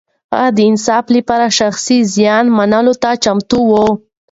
هغه د انصاف لپاره شخصي زيان منلو ته چمتو و.